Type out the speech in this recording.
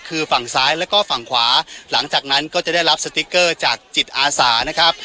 คือฝั่งซ้ายแล้วก็ฝั่งขวาหลังจากนั้นก็จะได้รับสติ๊กเกอร์จากจิตอาสานะครับ